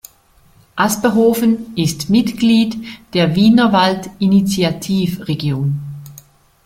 Asperhofen ist Mitglied der Wienerwald Initiativ Region.